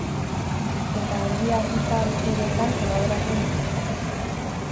Eta Argia argitalpenetan kolaboratzen du.